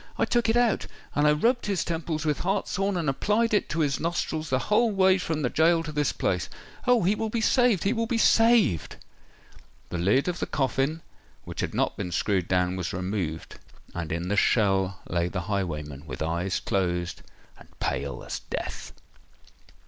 I took it out—and I rubbed his temples with hartshorn and applied it to his nostrils the whole way from the goal to this place! Oh! he will be saved—he will be saved!" The lid of the coffin, which had not been screwed down, was removed; and in the shell lay the highwayman—with eyes closed—and pale as death!